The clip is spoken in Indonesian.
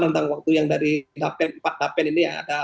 tentang waktu yang dari dapen empat dapen ini